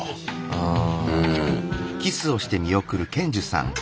うん。